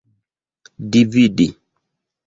dividi